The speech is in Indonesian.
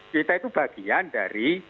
kita itu bagian dari